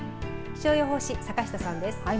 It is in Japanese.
気象予報士、坂下さんです。